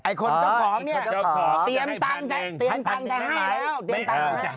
ไอ้คนเจ้าของนี่เตรียมตังค์จะให้แล้ว